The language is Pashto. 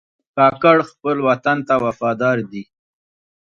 کاکړ خپل وطن ته وفادار دي.